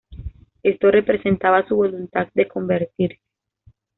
Esto representaba su voluntad de convertirse.